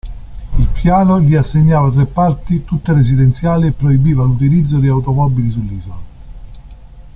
Il piano gli assegnava tre parti, tutte residenziali e proibiva l'utilizzo di automobili sull'isola.